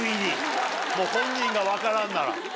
本人が分からんなら。